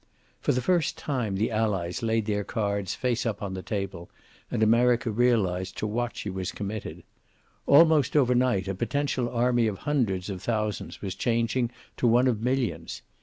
For the first time the Allies laid their cards face up on the table, and America realized to what she was committed. Almost overnight a potential army of hundreds of thousands was changing to one of millions.